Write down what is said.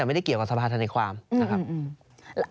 ไม่ได้เกี่ยวกับสภาธนาความนะครับ